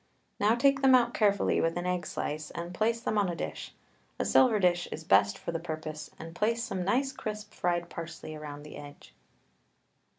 Now take them out carefully with an egg slice, and place them on a dish a silver dish is best for the purpose and place some nice, crisp, fried parsley round the edge.